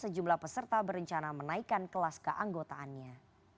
sejumlah peserta berencana menaikkan kelas keanggotaannya